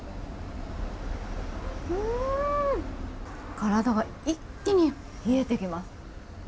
体が一気に冷えてきます。